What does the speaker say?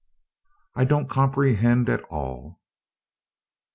"I don't comprehend at all."